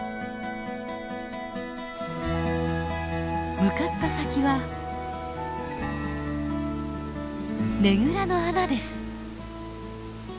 向かった先はねぐらの穴です。